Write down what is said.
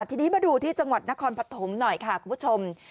ทีนี้มาดูที่จังหวัดนครปฐมหน่อยค่ะคุณผู้ชม